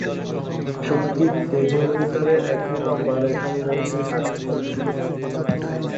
শূককীট দেহের ভিতরে একটি লম্বা রেশম গ্রন্থি থাকে।